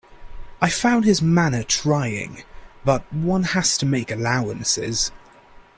I found his manner trying, but one has to make allowances.